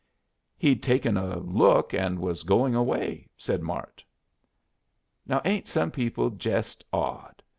"He'd taken a look and was going away," said Mart. "Now ain't some people jest odd!